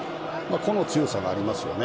個の強さがありますよね。